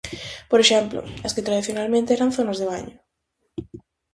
Por exemplo, as que tradicionalmente eran zonas de baño...